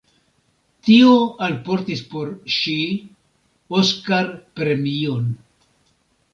Tio alportis por ŝi Oscar-premion.